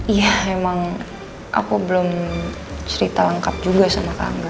iya emang aku belum cerita lengkap juga sama kak angga